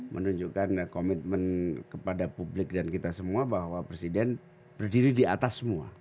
menunjukkan komitmen kepada publik dan kita semua bahwa presiden berdiri di atas semua